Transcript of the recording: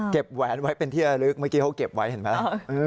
แหวนไว้เป็นที่ระลึกเมื่อกี้เขาเก็บไว้เห็นไหม